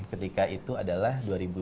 ketika itu adalah dua ribu sebelas